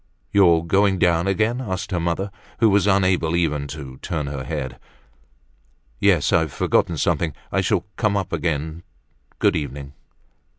"You are doing down again?" asked her mother, who was unable even to turn her head. "Yes; I've forgotten something. I shall come up again. Good evening."